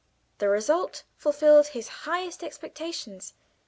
The result fulfilled his highest expectations.